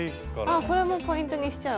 あこれもポイントにしちゃう。